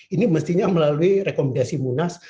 ini mestinya melalui rekomendasi munas